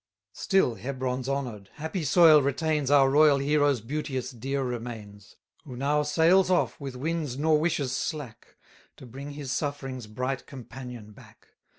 Still Hebron's honour'd, happy soil retains Our royal hero's beauteous, dear remains; Who now sails off with winds nor wishes slack, To bring his sufferings' bright companion back.